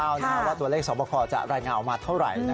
ว่าตัวเลขสอบคอจะรายงานออกมาเท่าไหร่